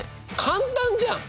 簡単じゃん。